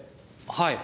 はい。